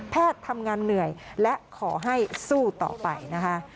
ทำงานเหนื่อยและขอให้สู้ต่อไปนะคะ